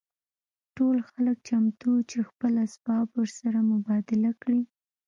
ټول خلک چمتو وو چې خپل اسباب ورسره مبادله کړي